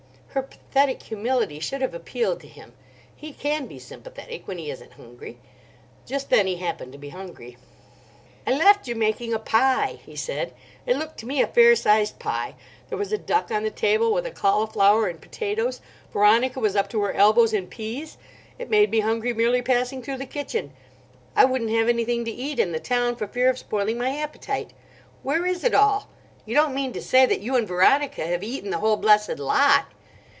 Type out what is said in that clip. Her pathetic humility should have appealed to him. He can be sympathetic, when he isn't hungry. Just then he happened to be hungry. "I left you making a pie," he said. "It looked to me a fair sized pie. There was a duck on the table, with a cauliflower and potatoes; Veronica was up to her elbows in peas. It made me hungry merely passing through the kitchen. I wouldn't have anything to eat in the town for fear of spoiling my appetite. Where is it all? You don't mean to say that you and Veronica have eaten the whole blessed lot!"